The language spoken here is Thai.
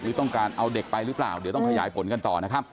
หรือต้องการเอาเด็กไปหรือเปล่าเดี๋ยวต้องขยายผลกันต่อนะครับ